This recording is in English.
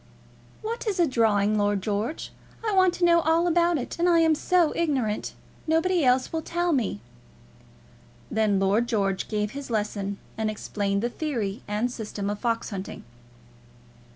"What is drawing, Lord George? I want to know all about it, and I am so ignorant. Nobody else will tell me." Then Lord George gave his lesson, and explained the theory and system of fox hunting.